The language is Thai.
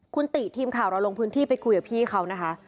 คุณติทีมข่าวเราลงพื้นที่ไปคุยกับพี่เขานะคะ